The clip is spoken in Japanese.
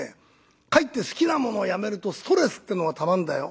かえって好きなものをやめるとストレスってのがたまるんだよ。